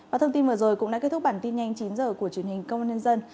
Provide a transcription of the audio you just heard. và thông tin vừa rồi cũng đã kết thúc bản tin nhanh chín h của truyền hình công an nhân dân